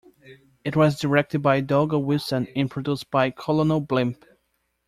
It was directed by Dougal Wilson and produced by Colonel Blimp.